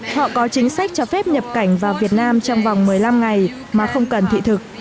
họ có chính sách cho phép nhập cảnh vào việt nam trong vòng một mươi năm ngày mà không cần thị thực